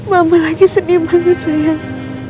mama lagi sedih banget sayang